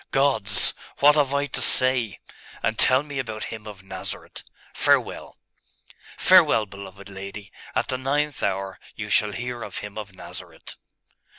Gods! What have I to say?.... And tell me about Him of Nazareth. Farewell!' 'Farewell, beloved lady! At the ninth hour, you shall hear of Him of Nazareth.